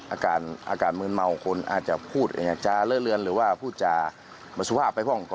อาการมืนเมาคนอาจจะพูดอย่างนี้จะเลือดเลือนหรือว่าพูดจะสุภาพไปห้อง